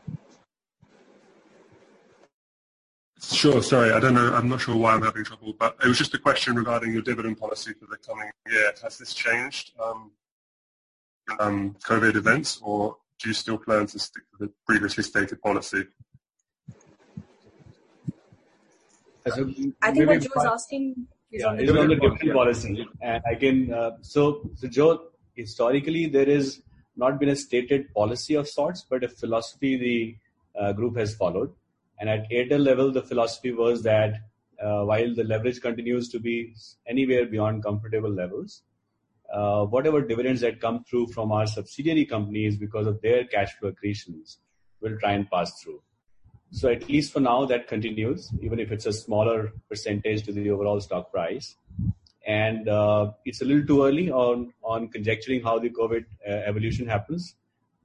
[SPEAKER 10] Sure. Sorry. I'm not sure why I'm having trouble, but it was just a question regarding your dividend policy for the coming year. Has this changed COVID events, or do you still plan to stick to the previously stated policy?
[SPEAKER 1] I think what John is asking is on the dividend policy.
[SPEAKER 11] Dividend policy. Again, John, historically, there has not been a stated policy of sorts, but a philosophy the group has followed. At Airtel level, the philosophy was that while the leverage continues to be anywhere beyond comfortable levels, whatever dividends that come through from our subsidiary companies because of their cash flow accretions will try and pass through. At least for now, that continues, even if it is a smaller percentage to the overall stock price. It is a little too early on conjecturing how the COVID evolution happens,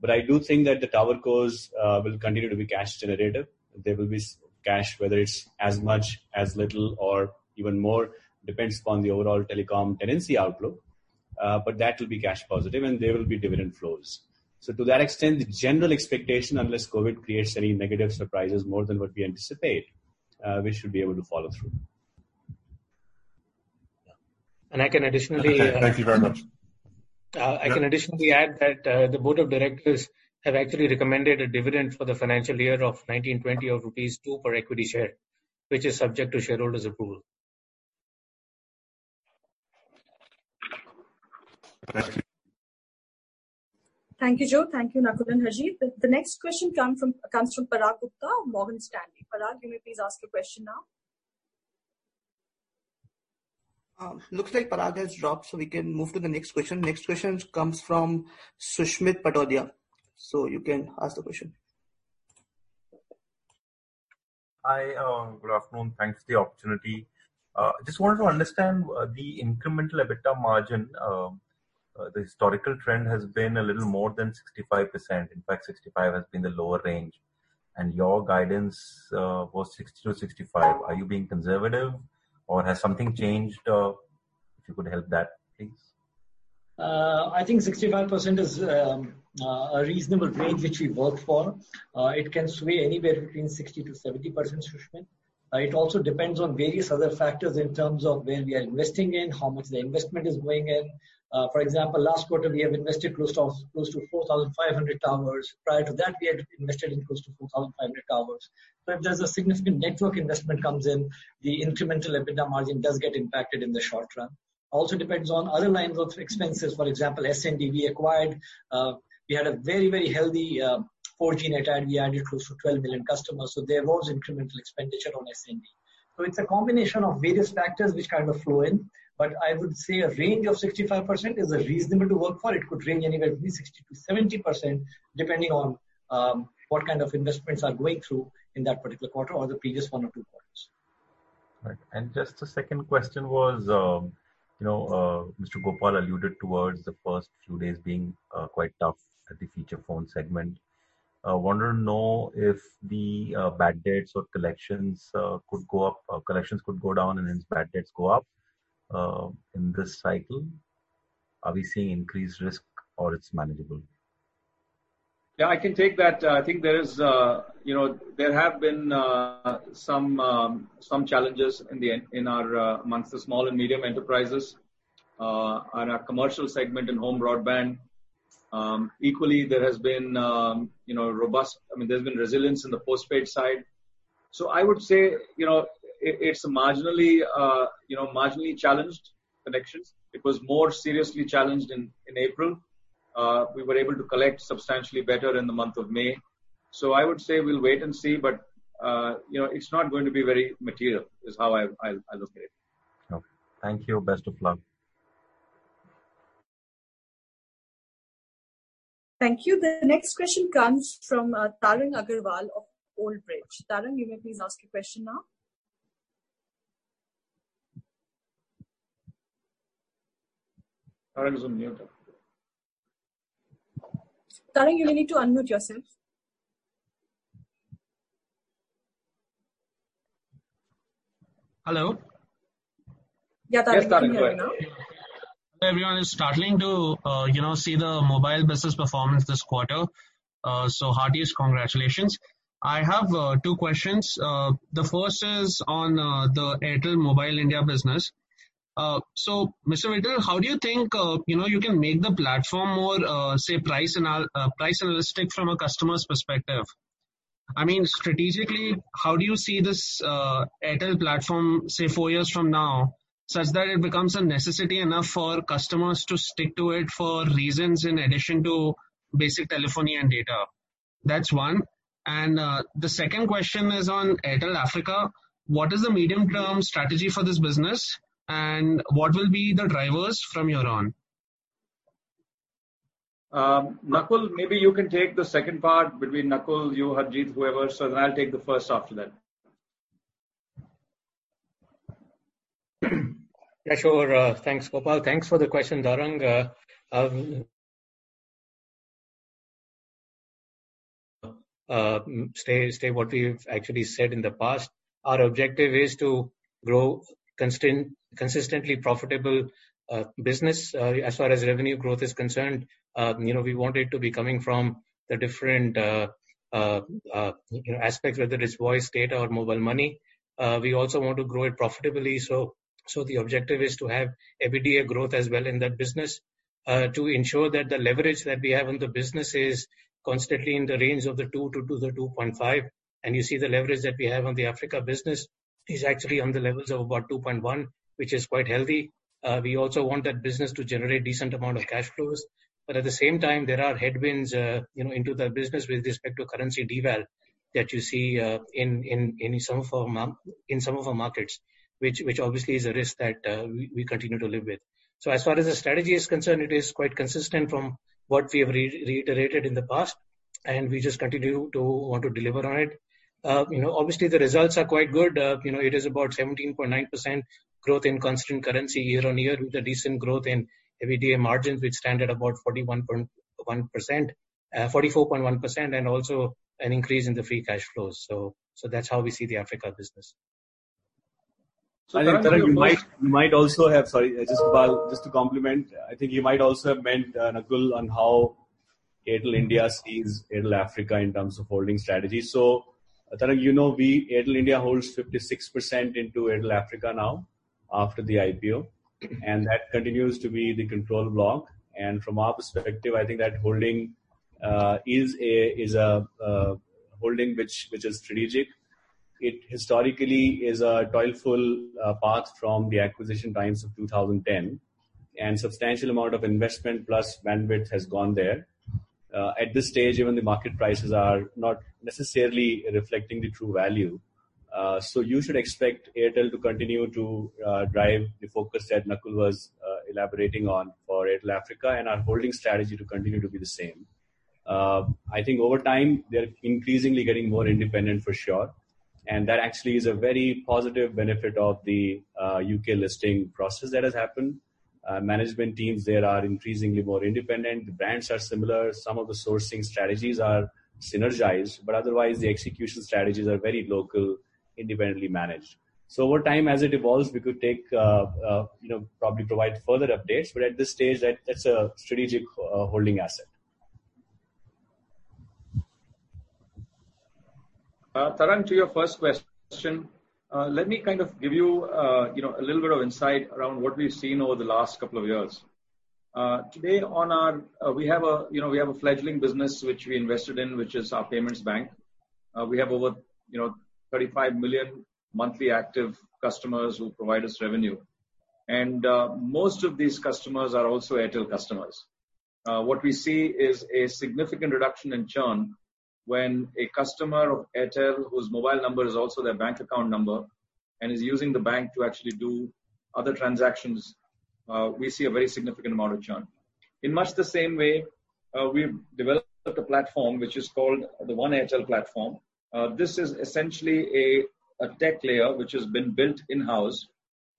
[SPEAKER 11] but I do think that the tower cores will continue to be cash-generative. There will be cash, whether it is as much, as little, or even more, depends upon the overall telecom tenancy outlook. That will be cash-positive, and there will be dividend flows. To that extent, the general expectation, unless COVID creates any negative surprises more than what we anticipate, we should be able to follow through.
[SPEAKER 2] I can additionally.
[SPEAKER 10] Thank you very much.
[SPEAKER 2] I can additionally add that the Board of Directors have actually recommended a dividend for the financial year of 1,920 or rupees 2 per equity share, which is subject to shareholders' approval.
[SPEAKER 10] Thank you.
[SPEAKER 1] Thank you, John. Thank you, Nakul and Rajiv. The next question comes from Parag Gupta of Morgan Stanley. Parag, you may please ask your question now.
[SPEAKER 11] Looks like Parag has dropped, so we can move to the next question. Next question comes from Susmit Patodia. You can ask the question.
[SPEAKER 12] Hi, good afternoon. Thanks for the opportunity. I just wanted to understand the incremental EBITDA margin. The historical trend has been a little more than 65%. In fact, 65% has been the lower range. Your guidance was 60-65%. Are you being conservative, or has something changed? If you could help that, please.
[SPEAKER 2] I think 65% is a reasonable range which we work for. It can sway anywhere between 60-70%, Susmit. It also depends on various other factors in terms of where we are investing in, how much the investment is going in. For example, last quarter, we have invested close to 4,500 towers. Prior to that, we had invested in close to 4,500 towers. If there is a significant network investment comes in, the incremental EBITDA margin does get impacted in the short run. It also depends on other lines of expenses. For example, S&D we acquired. We had a very, very healthy 4G net added. We added close to 12 million customers. There was incremental expenditure on S&D. It is a combination of various factors which kind of flow in. I would say a range of 65% is reasonable to work for. It could range anywhere between 60-70%, depending on what kind of investments are going through in that particular quarter or the previous one or two quarters.
[SPEAKER 12] Right. Just a second question was Mr. Gopal alluded towards the first few days being quite tough at the feature phone segment. I want to know if the bad debts or collections could go up or collections could go down and hence bad debts go up in this cycle. Are we seeing increased risk or it's manageable?
[SPEAKER 7] Yeah, I can take that. I think there have been some challenges in our amongst the small and medium enterprises on our commercial segment and home broadband. Equally, there has been robust, I mean, there's been resilience in the postpaid side. I would say it's marginally challenged connections. It was more seriously challenged in April. We were able to collect substantially better in the month of May. I would say we'll wait and see, but it's not going to be very material is how I look at it.
[SPEAKER 13] Okay. Thank you. Best of luck.
[SPEAKER 1] Thank you. The next question comes from Tarang Agrawal of Old Bridge Capital. Tarang, you may please ask your question now.
[SPEAKER 2] Tarang is on mute.
[SPEAKER 1] Tarang, you may need to unmute yourself.
[SPEAKER 14] Hello.
[SPEAKER 1] Yeah, Tarang is coming in right now.
[SPEAKER 14] Everyone is startled to see the mobile business performance this quarter. Heartiest congratulations. I have two questions. The first is on the Airtel Mobile India business. Mr. Vittal, how do you think you can make the platform more, say, price-analytic from a customer's perspective? I mean, strategically, how do you see this Airtel platform, say, four years from now, such that it becomes a necessity enough for customers to stick to it for reasons in addition to basic telephony and data? That is one. The second question is on Airtel Africa. What is the medium-term strategy for this business, and what will be the drivers from your own?
[SPEAKER 2] Nakul, maybe you can take the second part between Nakul, you, Harjeet, whoever. I will take the first after that.
[SPEAKER 11] Yeah, sure. Thanks, Gopal. Thanks for the question, Tarang. Stay what we've actually said in the past. Our objective is to grow consistently profitable business as far as revenue growth is concerned. We want it to be coming from the different aspects, whether it's voice, data, or mobile money. We also want to grow it profitably. The objective is to have every year growth as well in that business to ensure that the leverage that we have on the business is constantly in the range of 2-2.5. You see the leverage that we have on the Africa business is actually on the levels of about 2.1, which is quite healthy. We also want that business to generate a decent amount of cash flows. At the same time, there are headwinds into that business with respect to currency deval that you see in some of our markets, which obviously is a risk that we continue to live with. As far as the strategy is concerned, it is quite consistent from what we have reiterated in the past, and we just continue to want to deliver on it. Obviously, the results are quite good. It is about 17.9% growth in constant currency year on year with a decent growth in everyday margins, which stand at about 41.1%, 44.1%, and also an increase in the free cash flows. That is how we see the Africa business.
[SPEAKER 15] I think Tarang, you might also have—sorry, just Gopal, just to complement, I think you might also have meant, Nakul, on how Airtel India sees Airtel Africa in terms of holding strategy. Tarang, you know Airtel India holds 56% into Airtel Africa now after the IPO, and that continues to be the control block. From our perspective, I think that holding is a holding which is strategic. It historically is a toilful path from the acquisition times of 2010, and a substantial amount of investment plus bandwidth has gone there. At this stage, even the market prices are not necessarily reflecting the true value. You should expect Airtel to continue to drive the focus that Nakul was elaborating on for Airtel Africa and our holding strategy to continue to be the same. I think over time, they're increasingly getting more independent for sure. That actually is a very positive benefit of the U.K. listing process that has happened. Management teams there are increasingly more independent. The brands are similar. Some of the sourcing strategies are synergized, but otherwise, the execution strategies are very local, independently managed. Over time, as it evolves, we could probably provide further updates. At this stage, that is a strategic holding asset.
[SPEAKER 2] Tarang, to your first question, let me kind of give you a little bit of insight around what we have seen over the last couple of years. Today, we have a fledgling business which we invested in, which is our payments bank. We have over 35 million monthly active customers who provide us revenue. Most of these customers are also Airtel customers. What we see is a significant reduction in churn when a customer of Airtel whose mobile number is also their bank account number and is using the bank to actually do other transactions, we see a very significant amount of churn. In much the same way, we've developed a platform which is called the One Airtel Platform. This is essentially a tech layer which has been built in-house.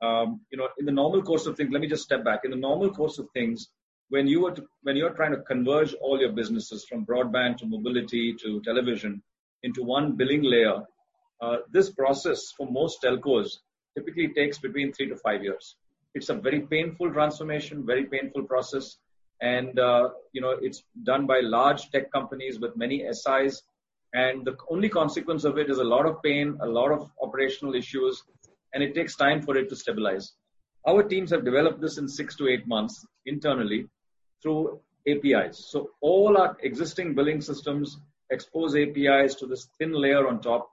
[SPEAKER 2] In the normal course of things, let me just step back. In the normal course of things, when you are trying to converge all your businesses from broadband to mobility to television into one billing layer, this process for most telcos typically takes between three to five years. It's a very painful transformation, very painful process, and it's done by large tech companies with many SIs.
[SPEAKER 5] The only consequence of it is a lot of pain, a lot of operational issues, and it takes time for it to stabilize. Our teams have developed this in six to eight months internally through APIs. All our existing billing systems expose APIs to this thin layer on top.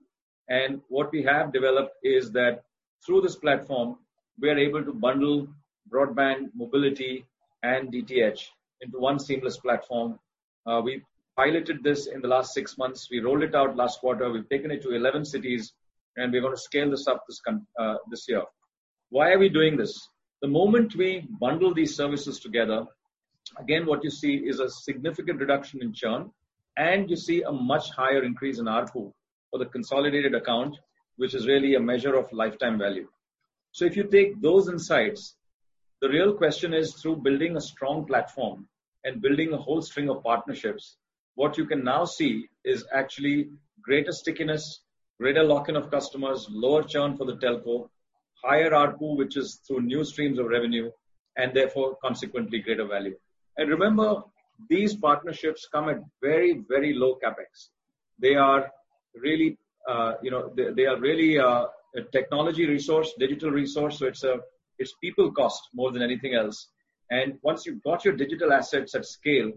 [SPEAKER 5] What we have developed is that through this platform, we are able to bundle broadband, mobility, and DTH into one seamless platform. We piloted this in the last six months. We rolled it out last quarter. We have taken it to 11 cities, and we are going to scale this up this year. Why are we doing this? The moment we bundle these services together, again, what you see is a significant reduction in churn, and you see a much higher increase in ARPU for the consolidated account, which is really a measure of lifetime value. If you take those insights, the real question is, through building a strong platform and building a whole string of partnerships, what you can now see is actually greater stickiness, greater lock-in of customers, lower churn for the telco, higher ARPU, which is through new streams of revenue, and therefore, consequently, greater value. Remember, these partnerships come at very, very low CapEx. They are really a technology resource, digital resource. It is people cost more than anything else. Once you've got your digital assets at scale,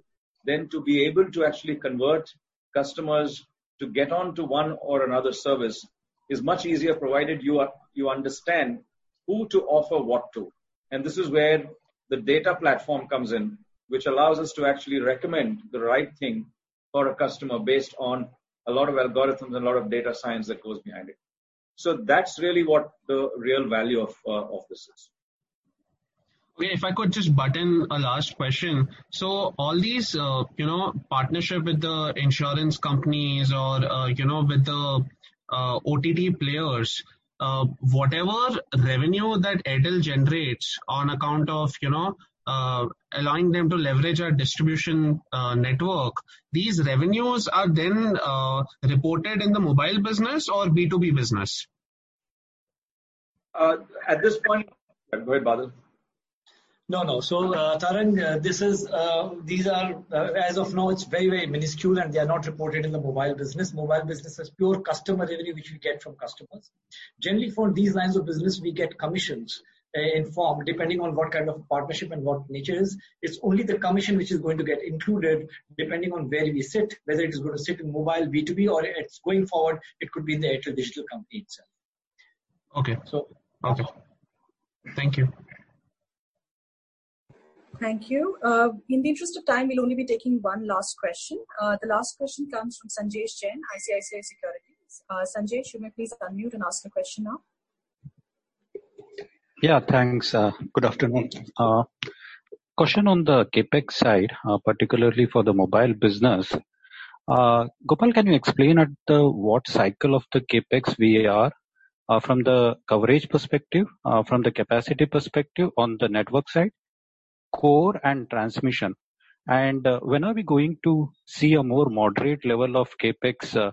[SPEAKER 5] then to be able to actually convert customers to get onto one or another service is much easier provided you understand who to offer what to. This is where the data platform comes in, which allows us to actually recommend the right thing for a customer based on a lot of algorithms and a lot of data science that goes behind it. That's really what the real value of this is.
[SPEAKER 14] If I could just button a last question. All these partnerships with the insurance companies or with the OTT players, whatever revenue that Airtel generates on account of allowing them to leverage our distribution network, these revenues are then reported in the mobile business or B2B business?
[SPEAKER 15] At this point, go ahead, Badal.
[SPEAKER 7] No, no. Tarang, these are, as of now, it's very, very minuscule, and they are not reported in the mobile business. Mobile business is pure customer revenue which we get from customers. Generally, for these lines of business, we get commissions in form depending on what kind of partnership and what nature is. It's only the commission which is going to get included depending on where we sit, whether it is going to sit in mobile, B2B, or it's going forward, it could be in the Airtel Digital Ltd company itself.
[SPEAKER 14] Okay. So. Okay. Thank you.
[SPEAKER 1] Thank you. In the interest of time, we'll only be taking one last question. The last question comes from Sanket Chheda, ICICI Securities. Sanket, you may please unmute and ask a question now.
[SPEAKER 16] Yeah, thanks. Good afternoon. Question on the CapEx side, particularly for the mobile business. Gopal, can you explain at what cycle of the CapEx we are from the coverage perspective, from the capacity perspective on the network side, core, and transmission? When are we going to see a more moderate level of CapEx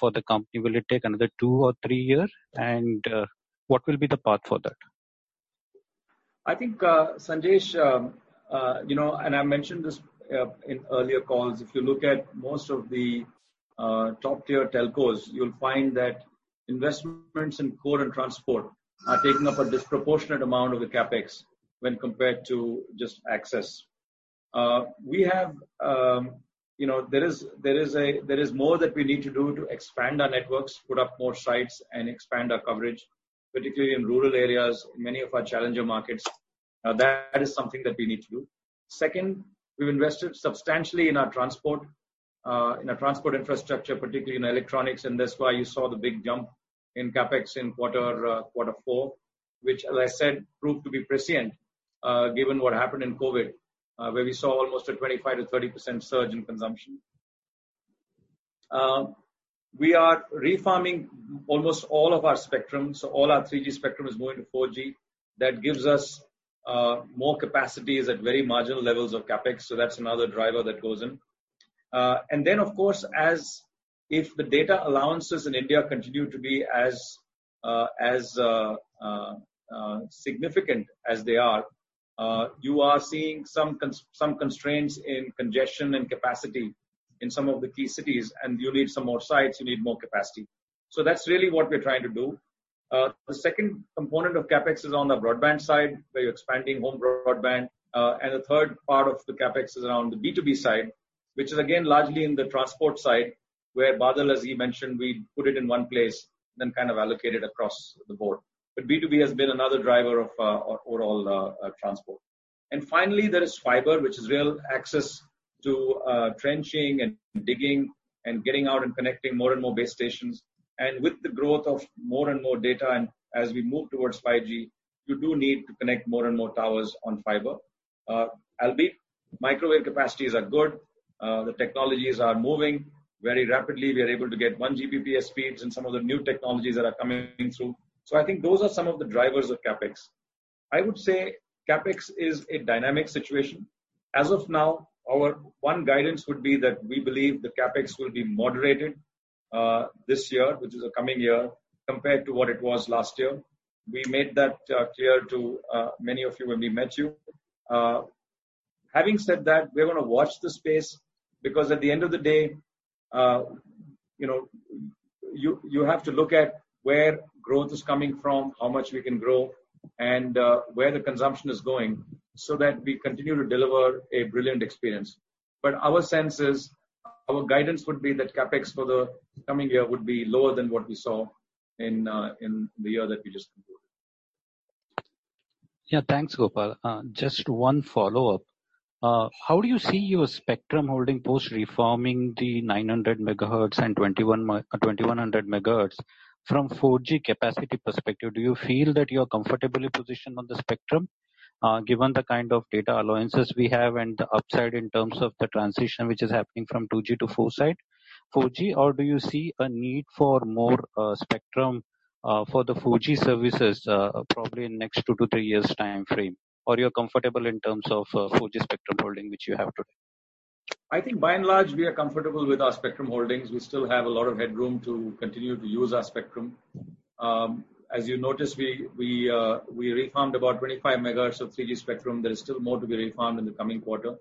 [SPEAKER 16] for the company? Will it take another two or three years, and what will be the path for that?
[SPEAKER 2] I think, Sanket, and I mentioned this in earlier calls, if you look at most of the top-tier telcos, you'll find that investments in core and transport are taking up a disproportionate amount of the CapEx when compared to just access. We have, there is more that we need to do to expand our networks, put up more sites, and expand our coverage, particularly in rural areas, many of our challenger markets. That is something that we need to do. Second, we've invested substantially in our transport infrastructure, particularly in electronics, and that's why you saw the big jump in CapEx in quarter four, which, as I said, proved to be prescient given what happened in COVID, where we saw almost a 25%-30% surge in consumption. We are refarming almost all of our spectrum. So all our 3G spectrum is moving to 4G. That gives us more capacity at very marginal levels of CapEx. That is another driver that goes in. If the data allowances in India continue to be as significant as they are, you are seeing some constraints in congestion and capacity in some of the key cities, and you need some more sites. You need more capacity. That is really what we are trying to do. The second component of CapEx is on the broadband side, where you are expanding home broadband. The third part of the CapEx is around the B2B side, which is, again, largely in the transport side, where Badal, as he mentioned, we put it in one place and then kind of allocate it across the board. B2B has been another driver of overall transport. Finally, there is fiber, which is real access to trenching and digging and getting out and connecting more and more base stations. With the growth of more and more data and as we move towards 5G, you do need to connect more and more towers on fiber. Albeit, microwave capacities are good. The technologies are moving very rapidly. We are able to get 1 Gbps speeds and some of the new technologies that are coming through. I think those are some of the drivers of CapEx. I would say CapEx is a dynamic situation. As of now, our one guidance would be that we believe the CapEx will be moderated this year, which is a coming year, compared to what it was last year. We made that clear to many of you when we met you. Having said that, we're going to watch the space because at the end of the day, you have to look at where growth is coming from, how much we can grow, and where the consumption is going so that we continue to deliver a brilliant experience. Our sense is our guidance would be that CapEx for the coming year would be lower than what we saw in the year that we just concluded.
[SPEAKER 16] Yeah, thanks, Gopal. Just one follow-up. How do you see your spectrum holding post-refarming the 900 MHz and 2100 MHz? From a 4G capacity perspective, do you feel that you're comfortably positioned on the spectrum given the kind of data allowances we have and the upside in terms of the transition which is happening from 2G to 4G? Or do you see a need for more spectrum for the 4G services probably in the next two to three years' time frame, or you're comfortable in terms of 4G spectrum holding which you have today?
[SPEAKER 2] I think by and large, we are comfortable with our spectrum holdings. We still have a lot of headroom to continue to use our spectrum. As you noticed, we refarmed about 25 MHz of 3G spectrum. There is still more to be refarmed in the coming quarter.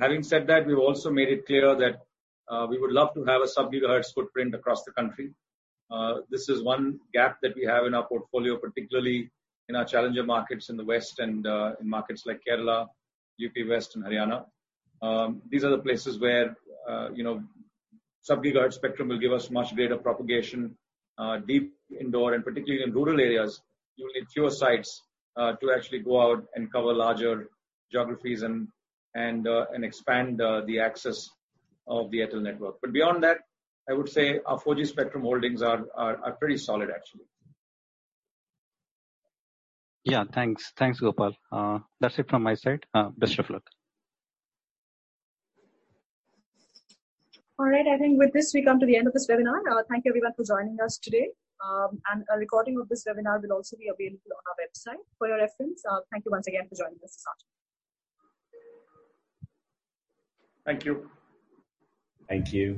[SPEAKER 2] Having said that, we've also made it clear that we would love to have a sub-gigahertz footprint across the country. This is one gap that we have in our portfolio, particularly in our challenger markets in the West and in markets like Kerala, UP West, and Haryana. These are the places where sub-gigahertz spectrum will give us much greater propagation deep indoor, and particularly in rural areas, you'll need fewer sites to actually go out and cover larger geographies and expand the access of the Airtel network. I would say our 4G spectrum holdings are pretty solid, actually.
[SPEAKER 16] Yeah, thanks. Thanks, Gopal. That's it from my side. Best of luck.
[SPEAKER 1] All right. I think with this, we come to the end of this webinar. Thank you, everyone, for joining us today. A recording of this webinar will also be available on our website for your reference. Thank you once again for joining us this afternoon.
[SPEAKER 7] Thank you.
[SPEAKER 2] Thank you.